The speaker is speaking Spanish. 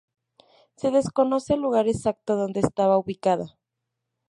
Se desconoce el lugar exacto donde estaba ubicada.